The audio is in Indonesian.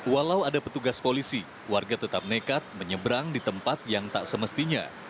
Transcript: walau ada petugas polisi warga tetap nekat menyeberang di tempat yang tak semestinya